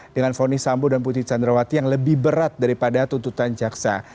dengan fonis sambo dan putri candrawati yang lebih berat daripada tuntutan jaksa